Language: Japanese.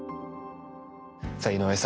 さあ井上さん